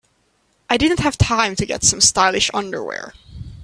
I didn't have time to get some stylish underwear.